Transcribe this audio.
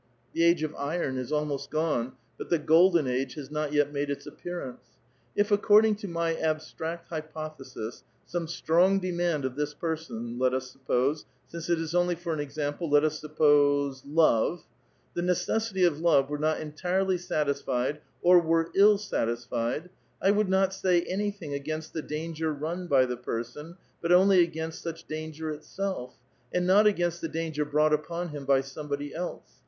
*io age of iron is almost gone, but the golden age has not J^^ made its appearance. If according to my abstract ypo thesis, some strong demand of this person, let us sup Pose — since it is only for an example, let us suppose, love —^^_ necessity of love were not entirely satisfied or were ill ,^fied, I would not sa}* anything against the danger run ^ "the person, but onl^' against such danger itself, and not Saiuat the danger brought upon him by somebody' else.